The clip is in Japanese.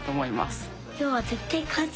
今日は絶対勝つ！